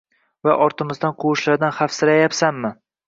Va ortimizdan quvishlaridan xavfsirayapsanmi?